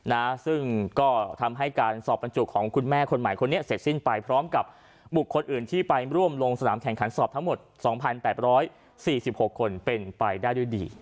นะซึ่งก็ทำให้การสอบบรรจุของคุณแม่คนใหม่คนนี้เสร็จสิ้นไปพร้อมกับบุคคลอื่นที่ไปร่วมลงสนามแข่งขันสอบทั้งหมด๒๘๔๖คนเป็นไปได้ด้วยดี